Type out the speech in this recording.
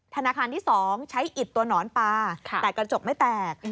ธนาคารที่๒ใช้อิดตัวหนอนปลาแต่กระจกไม่แตก